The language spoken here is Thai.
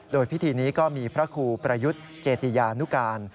โดยพิธีนี้ก็มีพระครูประยุทธ์เจติยานุการ